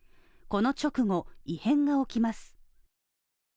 この直後、異変が起きます。